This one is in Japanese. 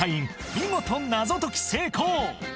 見事謎解き成功！